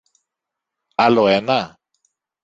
Άλλο ένα;